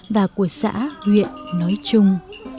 và của xã huyện nói chung